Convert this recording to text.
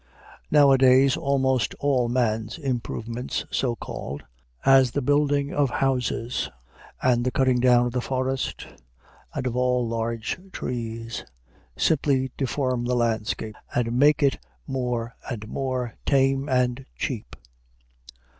Nowadays almost all man's improvements, so called, as the building of houses, and the cutting down of the forest and of all large trees, simply deform the landscape, and make it more and more tame and cheap.